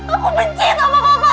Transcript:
aku benci sama mama